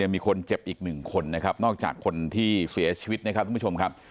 มีคนเจ็บอีกหนึ่งคนนะครับนอกจากคนที่เสียชีวิตนะครับทุกผู้ชมครับ